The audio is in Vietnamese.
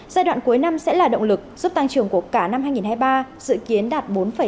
giai đoạn cuối năm sẽ là động lực giúp tăng trưởng của cả năm hai nghìn hai mươi ba dự kiến đạt bốn năm